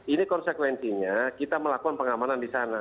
ini konsekuensinya kita melakukan pengamanan di sana